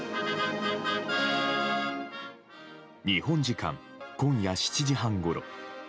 日本時間今夜７時半ごろ